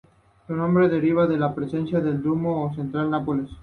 Su nombre deriva de la presencia del "Duomo" o Catedral de Nápoles.